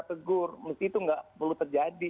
tegur mesti itu nggak perlu terjadi